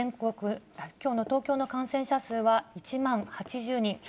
きょうの東京の感染者数は１万８０人。